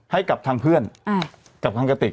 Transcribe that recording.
ให้กับทางเพื่อนกับทางกระติก